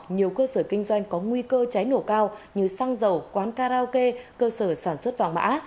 nhiều cơ sở kinh doanh có nguy cơ cháy nổ cao như xăng dầu quán karaoke cơ sở sản xuất vàng mã